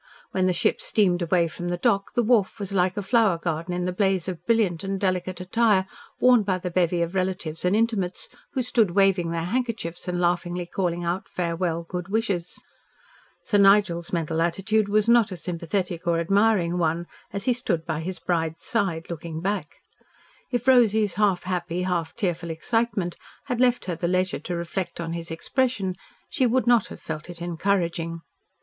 When the ship steamed away from the dock, the wharf was like a flower garden in the blaze of brilliant and delicate attire worn by the bevy of relatives and intimates who stood waving their handkerchiefs and laughingly calling out farewell good wishes. Sir Nigel's mental attitude was not a sympathetic or admiring one as he stood by his bride's side looking back. If Rosy's half happy, half tearful excitement had left her the leisure to reflect on his expression, she would not have felt it encouraging.